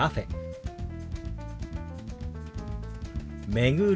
「巡る」。